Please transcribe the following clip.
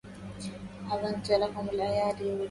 عَظُمت تلكمُ الأيادي وجَلَّتْ